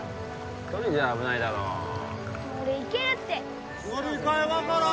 １人じゃ危ないだろう俺行けるって乗り換え分からん